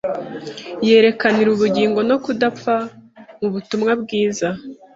Yerekanira ubugingo no kudapfa mu butumwa bwiza.